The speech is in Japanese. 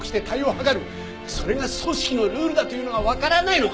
それが組織のルールだというのがわからないのか？